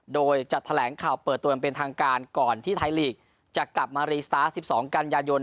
โดยจะแถลงข่าวเปิดตัวอย่างเป็นทางการก่อนที่ไทยลีกจะกลับมารีสตาร์ท๑๒กันยายน